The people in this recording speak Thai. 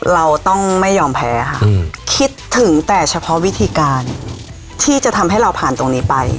เราต้องไม่ยอมแพ้ค่ะคิดถึงแต่เฉพาะวิธีการที่จะทำให้เราผ่านตรงนี้ไป